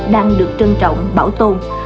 đang được trân trọng bảo tồn